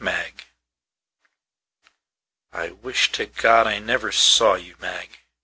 Mag I WISH to God I never saw you, Mag.